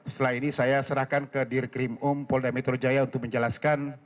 setelah ini saya serahkan ke dirkrim um polda metro jaya untuk menjelaskan